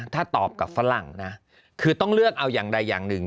ถ้าตอบกับฝรั่งนะคือต้องเลือกเอาอย่างใดอย่างหนึ่ง